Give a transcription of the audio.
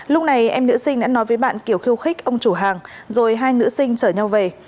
lúc này em nữ sinh đã nói với bạn kiều khiêu khích ông chủ hàng rồi hai nữ sinh chở nhau về